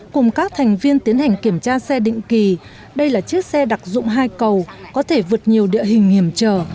cùng các thành viên tiến hành kiểm tra xe định kỳ đây là chiếc xe đặc dụng hai cầu có thể vượt nhiều địa hình hiểm trở